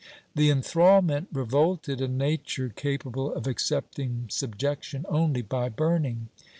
The enthralment revolted a nature capable of accepting subjection only by burning.